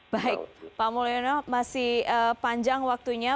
baik pak mulyono masih panjang waktunya